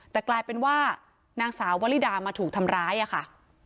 แต่กลายเป็นว่านางสาววลิดามาถูกทำร้ายอะค่ะ